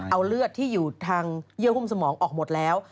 เอาเลือดที่อยู่ทางเยื่อหุ้มสมองออกหมดแล้ว